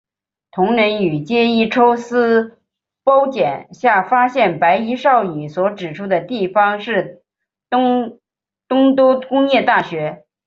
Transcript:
桐人与结依抽丝剥茧下发现白衣少女所指出的地方是东都工业大学。